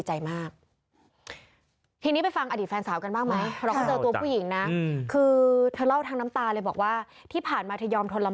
จะไม่ยอมเป็นแบบอะไร